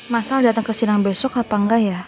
mas al datang ke sinarang besok apa enggak ya